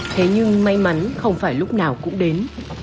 thế nhưng may mắn không phải lúc nào cũng đến